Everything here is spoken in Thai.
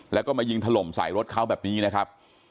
แล้วก็มายิงถล่มใส่รถเขาแบบนี้นะครับ